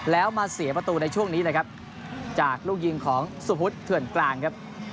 แล้วมาเสียประตูในช่วงนี้เลยครับจากลูกยิงของสุพุทธเถื่อนกลางครับ